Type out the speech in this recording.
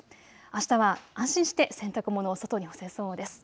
あしたは安心して洗濯物を外に干せそうです。